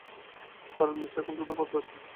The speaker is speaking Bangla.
কারণ, বিশ্ব এখন দ্রুত বদলাচ্ছে।